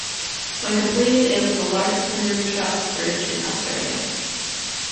When completed it was the longest timber truss bridge in Australia.